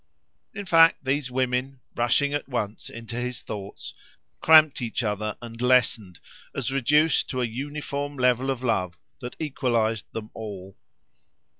In fact, these women, rushing at once into his thoughts, cramped each other and lessened, as reduced to a uniform level of love that equalised them all.